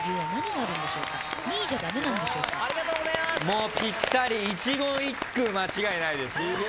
もうぴったり一言一句間違いないです。